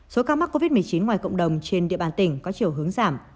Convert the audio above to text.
số ca mắc covid một mươi chín ngoài cộng đồng trên địa bàn tỉnh có chiều hướng giảm